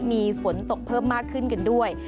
มีฝนตกเพิ่มมากขึ้นกันด้วย